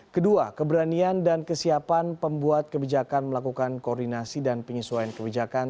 kedua keberanian dan kesiapan pembuat kebijakan melakukan koordinasi dan penyesuaian kebijakan